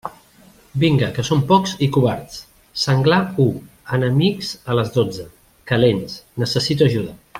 Vinga, que són pocs i covards, «Senglar u, enemics a les dotze, calents, necessito ajuda».